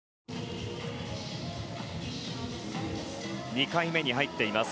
２回目に入っています。